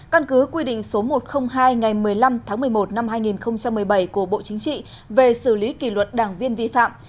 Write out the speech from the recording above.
căn cứ quy định số một trăm linh hai ngày một mươi năm tháng một mươi một năm hai nghìn một mươi bảy của bộ chính trị về xử lý kỷ luật đảng viên vi phạm